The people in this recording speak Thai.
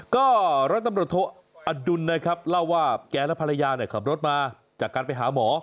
ก็ร้อยตำรวจโทอดุลนะครับเล่าว่าแกและภรรยาขับรถมาจากการไปหาหมอ